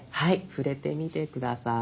触れてみて下さい。